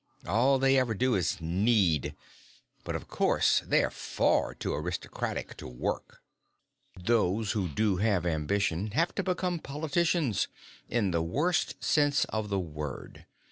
All they ever do is need! But, of course, they're far to aristocratic to work. "Those who do have ambition have to become politicians in the worst sense of the word.